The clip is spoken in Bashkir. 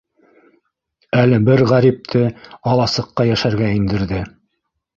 Әле бер ғәрипте аласыҡҡа йәшәргә индерҙе.